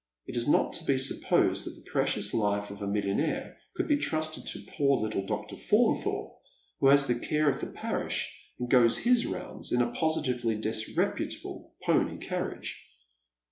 It is not to be supposed that the precious life of a millionaire could be trusted to poor little Dr. Faunthorpe, who has the care of the parish, and goes his rounds in a positively disreputable pony carriage.